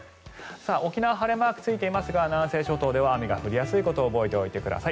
沖縄晴れマークがついていますが南西諸島では雨が降りやすいことを覚えておいてください。